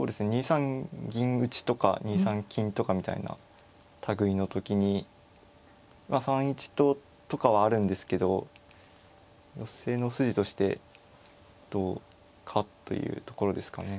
２三銀打とか２三金とかみたいな類いの時に３一ととかはあるんですけど寄せの筋としてどうかというところですかね。